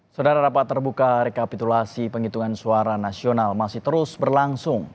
saudara rapat terbuka rekapitulasi penghitungan suara nasional masih terus berlangsung